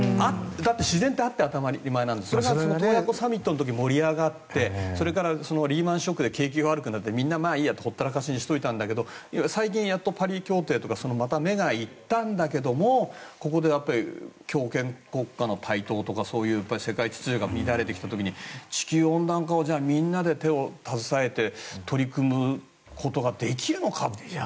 だって自然ってあって当たり前なんですからそれが洞爺湖サミットの時に盛り上がってリーマン・ショックで景気が悪くなってみんな、まあいいやってほったらかしにしていたんだけど最近パリ協定なんかに目が行ったんだけどここで強権国家の台頭とかそういう世界秩序が乱れてきた時に地球温暖化をみんなで手を携えて取り組むことができるのか。